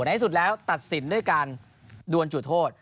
ในที่สุดแล้วตัดสินด้วยการดวนจุดโทษ